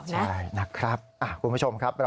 ใช่นะครับคุณผู้ชมครับ